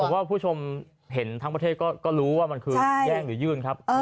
ผมว่าผู้ชมเห็นทั้งประเทศก็รู้ว่ามันคือแย่งหรือยื่นครับ